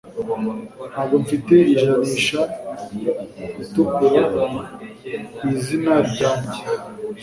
Ntabwo mfite ijanisha ritukura ku izina ryanjye.